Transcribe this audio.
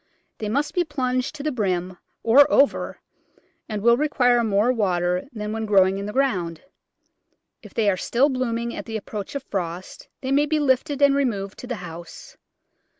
They must be plunged to the brim, or over, and will require more water than when growing in the ground. If they are still blooming at the approach of frost they may be lifted and removed to the house.